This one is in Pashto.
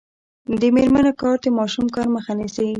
د میرمنو کار د ماشوم کار مخه نیسي.